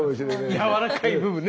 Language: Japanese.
やわらかい部分ね。